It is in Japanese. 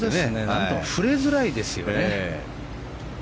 何か触れづらいですよね。